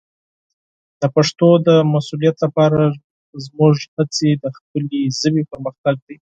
د پښتو د مسوولیت لپاره زموږ هڅې د خپلې ژبې پرمختګ دی.